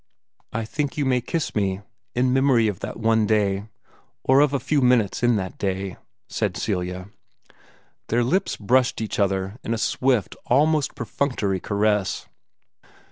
"I think you may kiss me, in memory of that one day or of a few minutes in that day," said Celia. Their lips brushed each other in a swift, almost perfunctory caress.